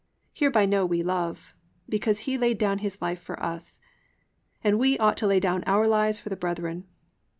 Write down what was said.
(16) Hereby know we love, because he laid down his life for us: and we ought to lay down our lives for the brethren.